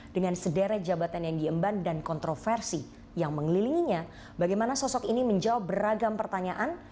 dengan sederet jabatan yang diemban dan kontroversi yang mengelilinginya bagaimana sosok ini menjawab beragam pertanyaan